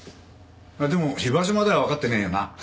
でも居場所まではわかってねえよな？